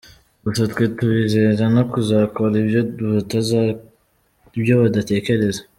Gusa twe tubizeza no kuzakora ibyo badatekereza.